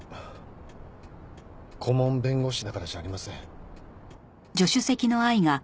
顧問弁護士だからじゃありません。